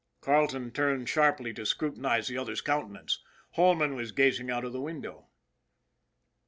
Carleton turned sharply to scrutinize the other's countenance. Holman was gazing out of the window.